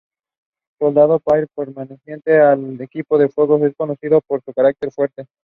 Soldado Paige: perteneciente al equipo de Fuego, es conocido por su carácter Fuerte.